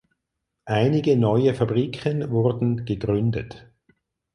Einige neue Fabriken wurden gegründet.